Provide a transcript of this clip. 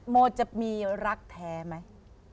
โมจะมีรักแท้ไหม